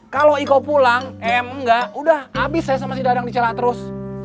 kalau iko pulang em enggak udah abis saya sama si dadang di ciraos terus